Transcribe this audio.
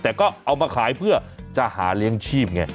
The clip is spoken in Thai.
แต่ก็เอามาขายเพื่อจะหาเลี้ยงชีพไง